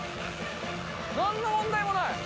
なんの問題もない。